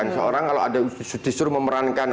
seorang kalau disuruh memerankan